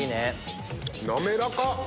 滑らか。